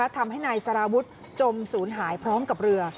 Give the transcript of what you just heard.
ทำให้นายสารวุฒิจมศูนย์หายพร้อมกับเรือ